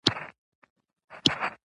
پرېکړې باید پر انصاف ولاړې وي